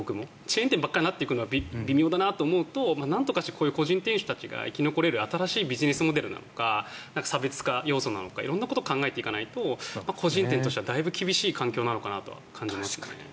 チェーン店ばかりになっていくのは微妙だなと思うとなんとかしてこういう個人店主たちが生き残れる新しいビジネスモデルなのか差別化要素なのか色んなことを考えていかないと個人店としてはだいぶ厳しい環境なのかなと感じますね。